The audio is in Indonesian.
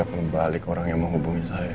saya harus telfon balik orang yang menghubungi saya